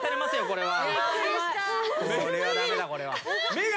これは。